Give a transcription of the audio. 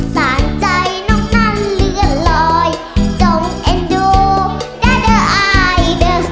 ทานนั้นเลือดลอยจงให้ดูแด่ดเอาไอ